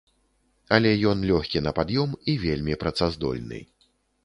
Але ён лёгкі на пад'ём і вельмі працаздольны.